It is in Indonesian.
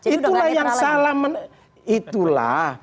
itulah yang salah menempatkan